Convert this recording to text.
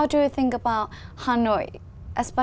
bởi trang phóng đại diện